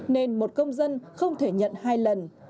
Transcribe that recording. nên một công dân không thể nhận hai lần